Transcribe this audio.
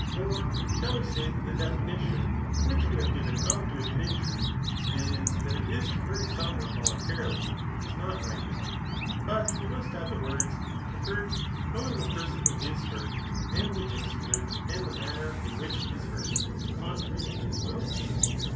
Or shall we say that the definidon {[which we have given of doing an injury, viz. that it is to hurt some one voluntas cily,3 is not right, but we must add the words, to hurt^ imowng Ac person who is htart^ and the instrument^ and ihe manner in which he is hnrt^ ccHitrary to his will